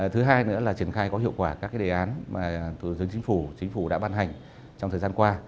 thứ hai nữa là triển khai có hiệu quả các đề án mà tù dân chính phủ đã ban hành trong thời gian qua